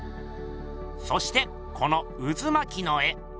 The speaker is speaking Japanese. そしてこのうずまきの絵。